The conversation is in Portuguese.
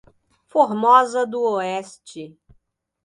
Formosa do Oeste